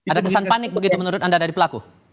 ada kesan panik begitu menurut anda dari pelaku